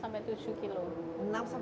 enam sampai tujuh kilo sampah plastik